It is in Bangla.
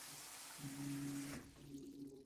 আমি তার নিকট তোমার জন্য নিরাপত্তা প্রার্থনা করেছি।